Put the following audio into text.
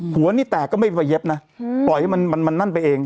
หัวนี่แตกก็ไม่ไปเย็บนะปล่อยให้มันนั่นไปเอง